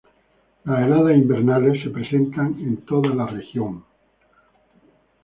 Las heladas invernales se presentan en toda la región.